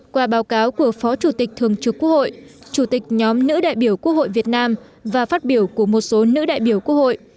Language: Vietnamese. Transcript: qua báo cáo của phó chủ tịch thường trực quốc hội chủ tịch nhóm nữ đại biểu quốc hội việt nam và phát biểu của một số nữ đại biểu quốc hội